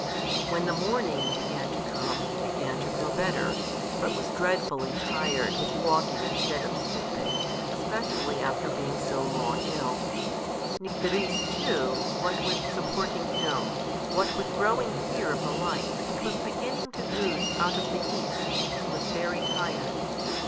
When the morning began to come he began to grow better, but was dreadfully tired with walking instead of sleeping, especially after being so long ill. Nycteris too, what with supporting him, what with growing fear of the light which was beginning to ooze out of the east, was very tired.